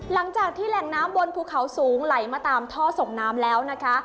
หลังจากที่แหล่งน้ำบนภูเขาสูงไหลมาตามท่อส่งน้ำแล้วนะคะ